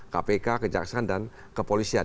kpk kejaksaan dan kepolisian